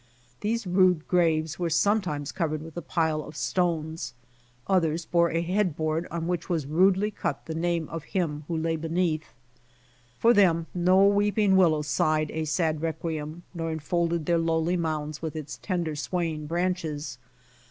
These rude graves were sometimes covered with a pile of stones. Others bore a head board on which was rudely cut the name of him who lay beneath. For them no weeping willow sighed a sad requiem nor enfolded their lowly mounds with its tender, swaying branches.